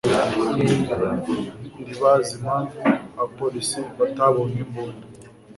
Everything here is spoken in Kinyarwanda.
Ndibaza impamvu abapolisi batabonye imbunda.